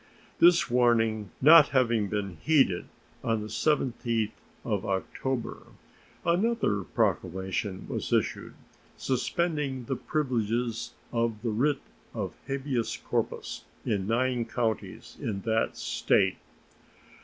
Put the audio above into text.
This warning not having been heeded, on the 17th of October another proclamation was issued, suspending the privileges of the writ of habeas corpus in nine counties in that State.